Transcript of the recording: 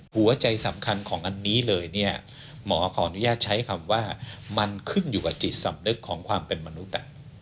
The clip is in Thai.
หัวใจสำคัญของอันนี้เลยเนี่ยหมอขออนุญาตใช้คำว่ามันขึ้นอยู่กับจิตสำนึกของความเป็นมนุษย์